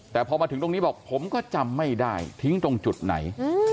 แต่พอมาถึงตรงนี้บอกผมก็จำไม่ได้ทิ้งตรงจุดไหน